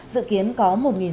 dự kiến có một sáu trăm linh